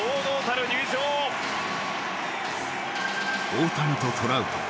大谷とトラウト。